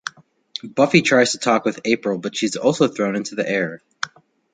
Buffy tries to talk with April but she is also thrown into the air.